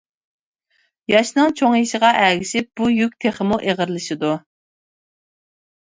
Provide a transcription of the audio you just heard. ياشنىڭ چوڭىيىشىغا ئەگىشىپ بۇ يۈك تېخىمۇ ئېغىرلىشىدۇ.